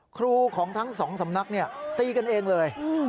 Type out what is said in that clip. ครูของทั้งสองสำนักศักดิ์เนี้ยตีกันเองเลยอืม